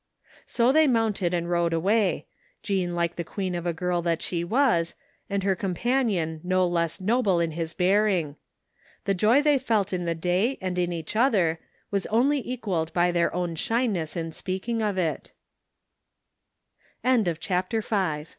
So they moimted and rode away, Jean like the queen of a girl that she was, and her companion no less noble in his bearing. The joy they felt in the day and each other was only equalled by their own shyness in speak ing of it 71 CHAPTER VI They t